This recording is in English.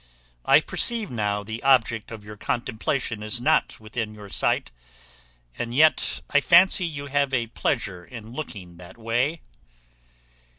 I perceive now the object of your contemplation is not within your sight, and yet I fancy you have a pleasure in looking that way."